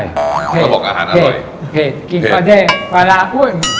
อิสานอยากกินผลัก